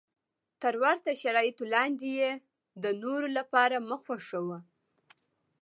تر ورته شرایطو لاندې یې د نورو لپاره مه خوښوه.